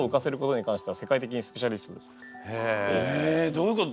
えどういうこと？